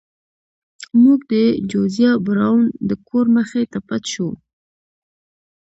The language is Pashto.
موږ د جوزیا براون د کور مخې ته پټ شو.